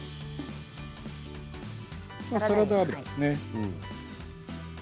サラダ油ですね。